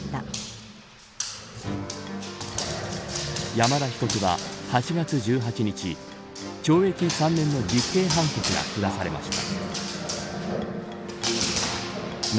山田被告は、８月１８日懲役３年の実刑判決が下されました。